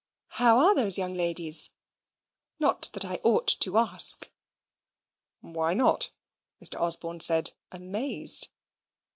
How are those young ladies? not that I ought to ask." "Why not?" Mr. Osborne said, amazed.